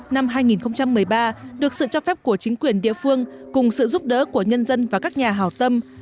năm hai nghìn một mươi ba được sự cho phép của chính quyền địa phương cùng sự giúp đỡ của nhân dân và các nhà hào tâm